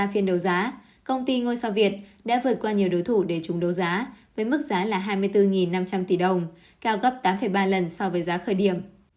ba phiên đấu giá công ty ngôi sao việt đã vượt qua nhiều đối thủ để chúng đấu giá với mức giá là hai mươi bốn năm trăm linh tỷ đồng cao gấp tám ba lần so với giá khởi điểm